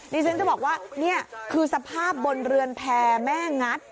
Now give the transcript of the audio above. ดิฉันจะบอกว่านี่คือสภาพบนเรือนแพร่แม่งัด